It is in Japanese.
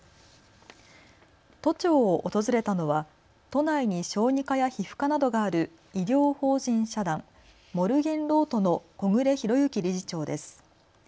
都庁を訪れたのは都内に小児科や皮膚科などがある医療法人社団モルゲンロートの小暮裕之理事長です。